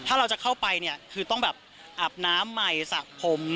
ถ้าเราจะเข้าไปเนี่ยคือต้องแบบอาบน้ำใหม่สระผม